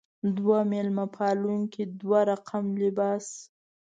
دوه میلمه پالونکې دوه رقم لباس.